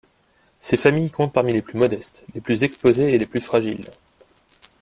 Ces familles comptent parmi les plus modestes, les plus exposées et les plus fragiles.